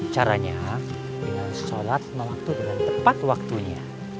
caranya dengan sholat dengan waktu dengan tepat waktunya